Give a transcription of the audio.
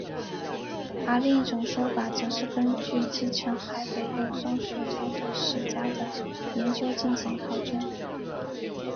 而另一说法则是根据继承海北友松血统的史家的研究进行考证。